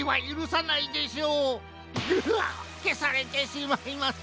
ううっけされてしまいます。